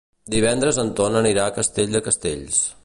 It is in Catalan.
Divendres en Ton anirà a Castell de Castells.